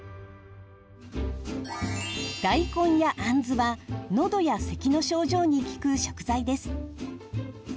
大根やあんずはのどやせきの症状に効く食材です。